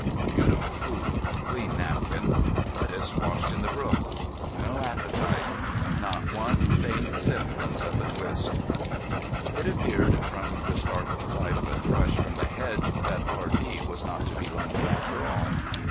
Beautiful food, clean napkin, lettuce washed in the brook, no appetite—not one faint semblance of a twist!" It appeared from the startled flight of a thrush from the hedge that R. D. was not to be lonely after all.